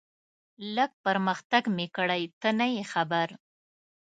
لږ پرمختګ مې کړی، ته نه یې خبر.